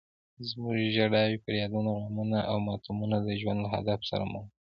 زموږ ژړاوې، فریادونه، غمونه او ماتمونه د ژوند له هدف سره مل دي.